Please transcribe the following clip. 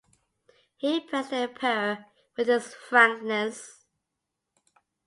He impressed the Emperor with his frankness.